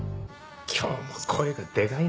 今日も声がでかいねえ。